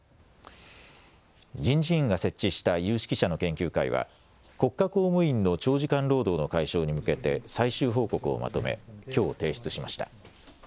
人事院が設置した有識者の研究会は国家公務員の長時間労働の解消に向けて最終報告をまとめきょう提出しました。